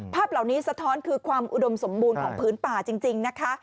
ภาพเหล่านี้สะท้อนคือความอุดมสมบูรณ์ของพื้นป่าจริงนะคะ